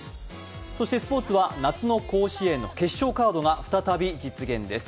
そしてスポ−ツは夏の甲子園の決勝カードが再び実現です。